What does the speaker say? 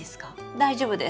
大丈夫です。